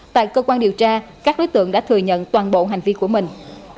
tại cơ quan điều tra các đối tượng đã thừa nhận toàn bộ hành vi của mình